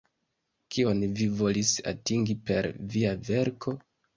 Kion vi volis atingi per via verko?